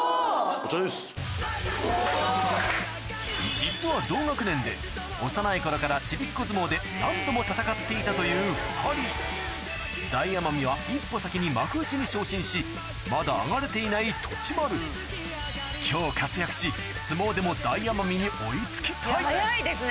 実は同学年で幼い頃からちびっこ相撲で何度も戦っていたという２人大奄美はまだ上がれていない栃丸今日活躍し相撲でも大奄美に早いですね。